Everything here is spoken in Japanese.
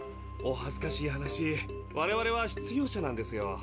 おはずかしい話我々は失業者なんですよ。